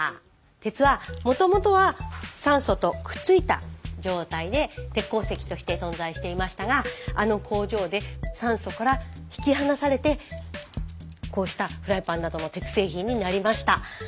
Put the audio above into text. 鉄はもともとは酸素とくっついた状態で鉄鉱石として存在していましたがあの工場で酸素から引き離されてこうしたフライパンなどの鉄製品になりました。